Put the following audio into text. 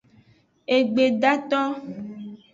Egbedato.